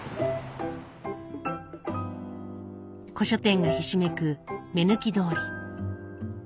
古書店がひしめく目抜き通り。